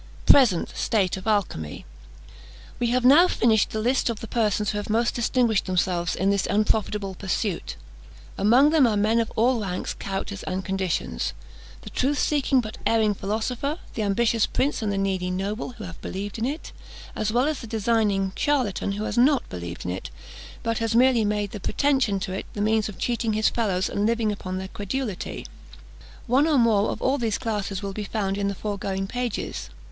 PRESENT STATE OF ALCHYMY. We have now finished the list of the persons who have most distinguished themselves in this unprofitable pursuit. Among them are men of all ranks, characters, and conditions: the truth seeking but erring philosopher; the ambitious prince and the needy noble, who have believed in it; as well as the designing charlatan, who has not believed in it, but has merely made the pretension to it the means of cheating his fellows, and living upon their credulity. One or more of all these classes will be found in the foregoing pages.